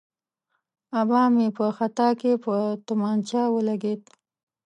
آبا مې په خطا کې په تومانچه ولګېد.